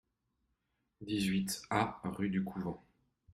dix-huit A rUE DU COUVENT